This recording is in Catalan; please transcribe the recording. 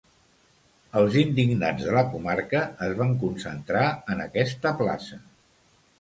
Els Indignats de la comarca es van concentrar en aquesta plaça.